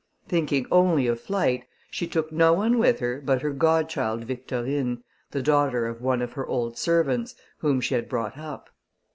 Thinking only of flight, she took no one with her but her godchild Victorine, the daughter of one of her old servants, whom she had brought up.